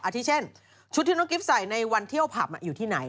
ที่เช่นชุดที่น้องกิฟต์ใส่ในวันเที่ยวผับอยู่ที่ไหน